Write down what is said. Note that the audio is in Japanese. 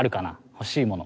欲しいもの。